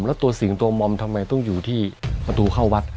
แล้วตัวสิ่งตัวมอมทำไมต้องอยู่ที่ประตูเข้าวัด